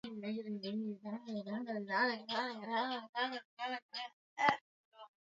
Namna ya kukabili matatizo kama ugaidi